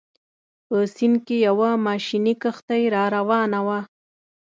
په سیند کې یوه ماشیني کښتۍ راروانه وه.